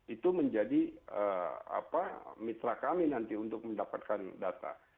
itu menjadi mitra kami nanti untuk mendapatkan data